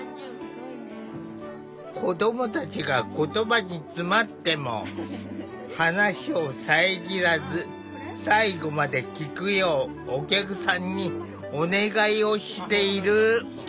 子どもたちが言葉に詰まっても話を遮らず最後まで聞くようお客さんにお願いをしている。